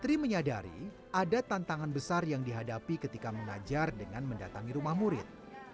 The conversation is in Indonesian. tri menyadari ada tantangan besar yang dihadapi ketika mengajar dengan mendatangi rumah murid